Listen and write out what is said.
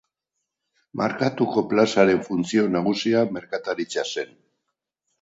Markatuko Plazaren funtzio nagusia merkataritza zen.